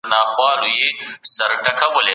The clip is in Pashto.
سم نیت راتلونکی نه ځنډوي.